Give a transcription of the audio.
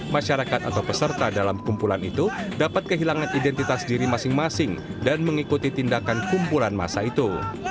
masyarakat atau peserta dalam kumpulan itu dapat kehilangan identitas diri masing masing dan mengikuti tindakan kumpulan masa itu